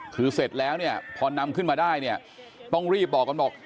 คือเสร็จแล้วเนี่ยพอนำขึ้นมาได้เนี่ยต้องรีบบอกกันบอก